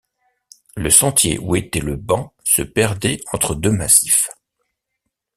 Le sentier où était le banc se perdait entre deux massifs.